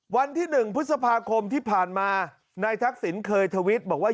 วันที่๑พฤษภาคมที่ผ่านมานายทักษิณเคยทวิตบอกว่า